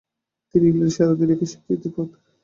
তিনি ইংল্যান্ডে সেরা অধিনায়কের স্বীকৃতি পান।